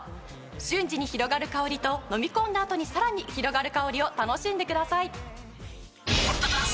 瞬時に広がる香りと飲み込んだあとにさらに広がる香りを楽しんでください。